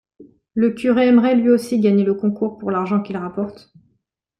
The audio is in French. Le curé aimerait lui aussi gagner le concours pour l'argent qu'il rapporte.